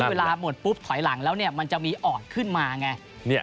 เวลาหมดปุ๊บถอยหลังแล้วมันจะมีออดขึ้นมาไง